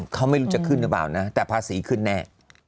เขาไม่รู้จะขึ้นหรือเปล่านะแต่ภาษีขึ้นแน่